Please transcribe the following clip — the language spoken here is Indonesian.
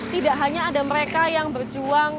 tidak hanya ada mereka yang berjuang